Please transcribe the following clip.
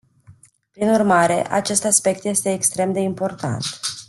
Prin urmare, acest aspect este extrem de important.